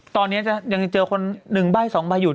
ตอนนี้ยังเจอคนหนึ่งใบสองใบหยุด